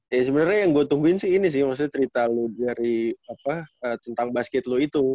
ya sebenernya yang gue tungguin sih ini sih maksudnya cerita lu dari apa tentang basket lu itu